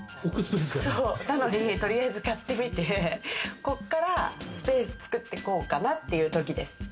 なので取りあえず買ってみて、こっからスペース作ってこうかなというときです。